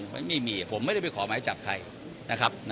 ไม่มีผมไม่ได้ไปขอหมายจับใครนะครับ